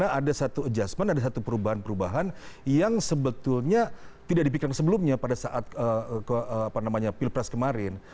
karena ada satu adjustment ada satu perubahan perubahan yang sebetulnya tidak dipikirkan sebelumnya pada saat pilpres kemarin